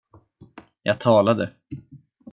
Jag talade.